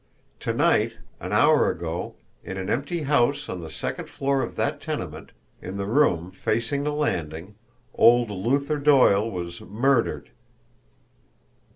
To night, an hour ago, in an empty room on the second floor of that tenement, in the room facing the landing, old Luther Doyle was MURDERED!"